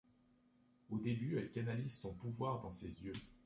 Au début, elle canalise son pouvoir dans ses yeux.